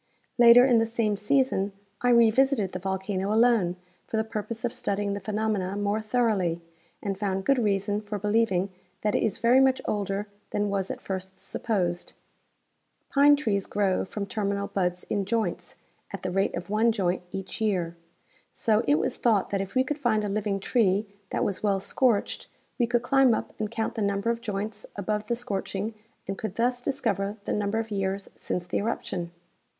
Later in the same season I revisited the volcano alone for the purpose of studying the phenomena more thoroughly, and found good reason for believing that it is very much older than was at first sui^posecl. Pine trees grow from terminal buds in joints at the rate of one joint each year; so it was thought that if we could find a living tree that Avas well scorched we could climb up and count the number of joints above the scorching and could thus dis cover the number of years since the eruption.